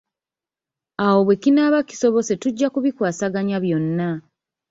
Awo bwe kinaaba kisobose tujja kubikwasaganya byonna.